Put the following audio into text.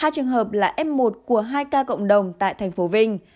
hai trường hợp là f một của hai ca cộng đồng tại thành phố vinh